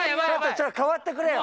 ちょっと代わってくれよ。